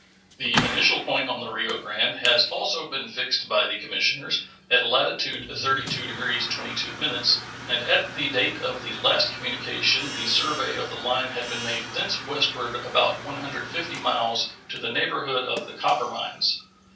The initial point on the Rio Grande has also been fixed by the commissioners, at latitude 32 degrees 22', and at the date of the last communication the survey of the line had been made thence westward about 150 miles to the neighborhood of the copper mines.